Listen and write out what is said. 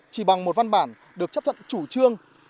chỉ bằng một văn bản được chấp thuận chủ trương